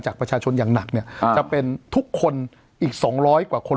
จากประชาชนอย่างหนักเนี่ยจะเป็นทุกคนอีก๒๐๐กว่าคน